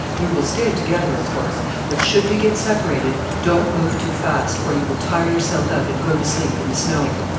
We will stay together, of course; but should we get separated, don't move too fast, or you will tire yourself out and go to sleep in the snow.